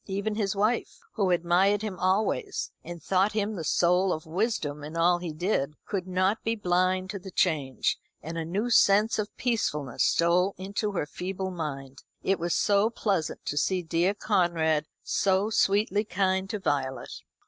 Even his wife, who admired him always, and thought him the soul of wisdom in all he did, could not be blind to the change, and a new sense of peacefulness stole into her feeble mind. It was so pleasant to see dear Conrad so sweetly kind to Violet.